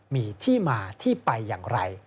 มีที่มาที่ไปอย่างไร